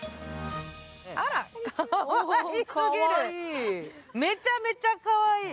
あら、かわいい、めちゃめちゃかわいい。